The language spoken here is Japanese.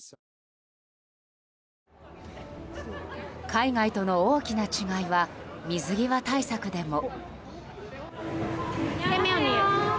海外との大きな違いは水際対策でも。